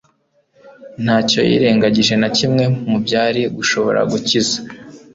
Ntacyo yirengagije na kimwe mu byari gushobora gukiza